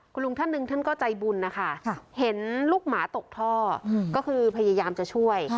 คุณลุงท่านหนึ่งท่านก็ใจบุญนะคะเห็นลูกหมาตกท่อก็คือพยายามจะช่วย